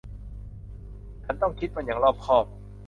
ฉันต้องคิดมันอย่างรอบคอบ